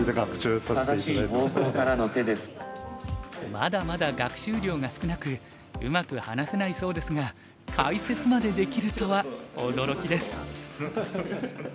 まだまだ学習量が少なくうまく話せないそうですが解説までできるとは驚きです。